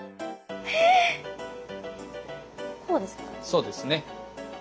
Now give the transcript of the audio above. そうですね。